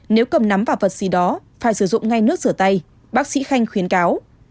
nếu cầm nắm vào vật gì đó phải sử dụng ngay nước sửa tay bác sĩ khanh khuyến cáo